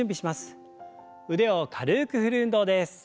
腕を軽く振る運動です。